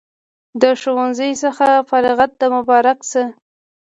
له ښوونځي څخه فراغت د مبارک شه